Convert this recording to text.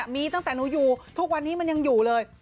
มีตั้งแต่หนูอยู่ทุกวันนี้มันยังอยู่เลย